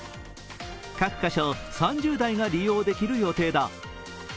各箇所３０台が利用できる予定だ。